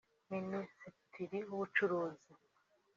Minsitiri w’Ubucuruzi